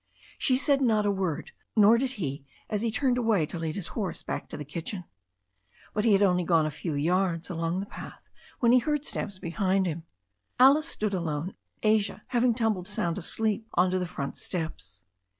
She said not a word, nor did he as he turned away to lead his horse back to the kitchen. But he had gone only a few yards along the path when he heard steps behind him. Alice stood alone, Asia having tumbled sound asleep onto the front steps.